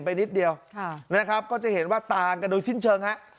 นิดเดียวนะครับก็จะเห็นว่าต่างกันโดยสิ้นเชิงฮะ